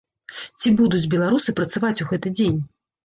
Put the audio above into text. Ці будуць беларусы працаваць у гэты дзень?